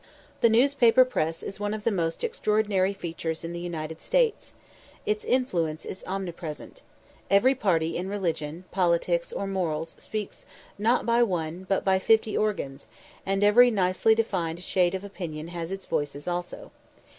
The newspaper press is one of the most extraordinary features in the United States. Its influence is omnipresent. Every party in religion, politics, or morals, speaks, not by one, but by fifty organs; and every nicely defined shade of opinion has its voices also.